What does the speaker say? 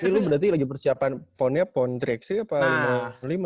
tapi lu berarti lagi persiapan ponnya pon tiga x tiga apa pon lima puluh lima yuk